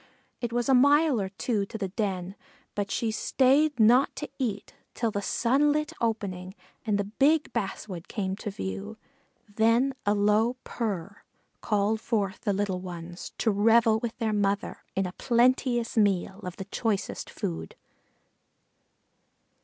It was a mile or two to the den, but she stayed not to eat till the sunlit opening and the big basswood came to view; then a low "prr prr" called forth the little ones to revel with their mother in a plenteous meal of the choicest food.